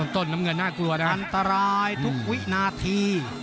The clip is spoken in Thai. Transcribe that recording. น้ำเงินน่ากลัวนะอันตรายทุกวินาที